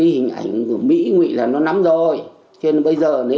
hằng say quyết đoán